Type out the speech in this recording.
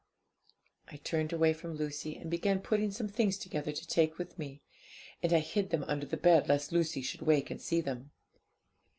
'I turned away from Lucy, and began putting some things together to take with me, and I hid them under the bed, lest Lucy should wake and see them.